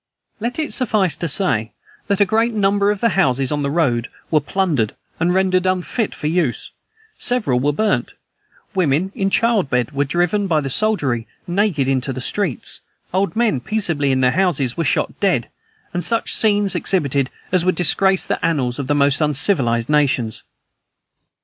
Let it suffice to say, that a great number of the houses on the road were plundered, and rendered unfit for use; several were burnt; women in childbed were driven, by the soldiery, naked into the streets; old men peaceably in their houses were shot dead; and such scenes exhibited as would disgrace the annals of the most uncivilized nations.